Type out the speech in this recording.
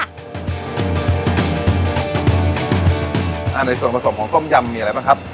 อ่ะในส่วนผสมของก้มยำมีอะไรมั้ยครับ